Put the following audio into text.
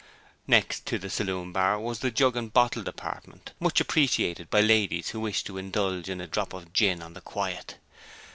Next to the saloon bar was the jug and bottle department, much appreciated by ladies who wished to indulge in a drop of gin on the quiet.